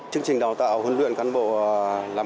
chương trình đào tạo huấn luyện cán bộ làm